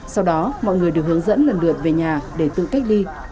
sau đó mọi người được hướng dẫn lần lượt về nhà để tự cách ly